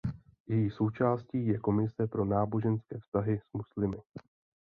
Její součástí je Komise pro náboženské vztahy s muslimy.